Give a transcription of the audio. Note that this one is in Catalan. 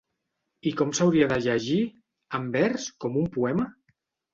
I com s'hauria de llegir, en vers, com un poema?